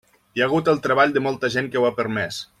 Hi ha hagut el treball de molta gent que ho ha permès.